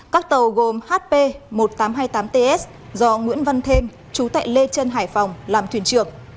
các tàu gồm hp một nghìn tám trăm hai mươi tám ts do nguyễn văn thêm chú tại lê trân hải phòng làm thuyền trưởng